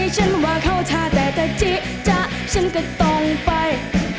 ฉันว่าเขาทาแต่จะจิ๊กจะฉันก็ต้องไป